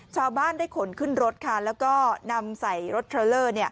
ชาวบ้านได้ขนขึ้นรถค่ะแล้วก็นำใส่รถเทรลเลอร์